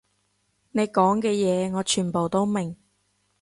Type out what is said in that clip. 你講嘅嘢我全部都明